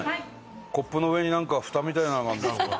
コップの上になんか、ふたみたいなのが。